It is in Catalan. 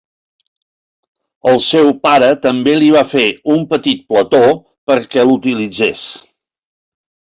El seu pare també li va fer un petit plató perquè l'utilitzés.